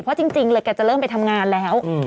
เพราะจริงเลยแกจะเริ่มไปทำงานแล้ว